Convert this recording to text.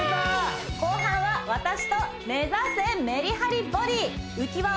後半は私と目指せメリハリボディ浮き輪